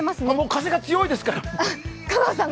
風が強いですから！